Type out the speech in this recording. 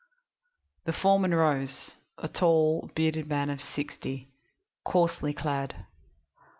The foreman rose a tall, bearded man of sixty, coarsely clad.